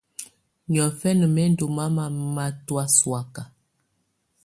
Niɔfɛ̀na mɛ̀ ndù mamɛ̀á matɔ̀́á sɔ̀áka.